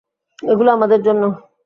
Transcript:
এগুলো আমাদের জন্য।